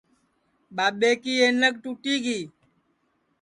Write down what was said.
ٻاٻے کی اینک ٹوٹی گی